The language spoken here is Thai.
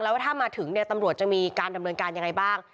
แล้วถ้ามาถึงเนี่ยตำรวจจะมีการดำเนินการยังไงบ้าง